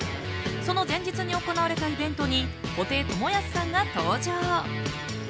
その前日に行われたイベントに布袋寅泰さんが登場。